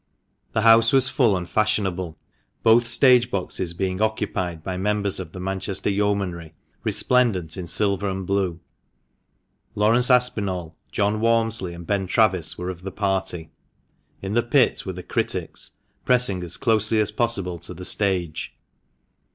The house was full and fashionable, both stage boxes being occupied by members of the Manchester Yeomanry, resplendent in silver and blue. Laurence Aspinall, John Walmsley, and Ben Travis were of the party. In the pit were the critics, pressing as closely as possible to the stage.